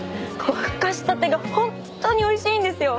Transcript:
ふかしたてがホントにおいしいんですよ。